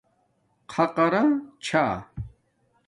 خَقارا چھݳ